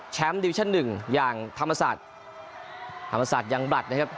ดิวิชั่นหนึ่งอย่างธรรมศาสตร์ธรรมศาสตร์ยังบลัดนะครับ